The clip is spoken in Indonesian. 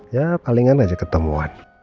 ya palingan aja ketemuan